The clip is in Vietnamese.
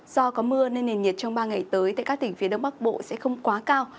do có mưa nên nền nhiệt trong ba ngày tới tại các tỉnh phía đông bắc bộ sẽ không quá cao